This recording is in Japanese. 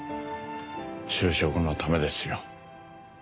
就職のためですよ。